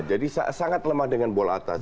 jadi sangat lemah dengan bola atas